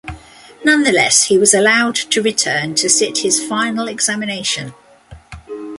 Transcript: Nonetheless, he was allowed to return to sit his final examination.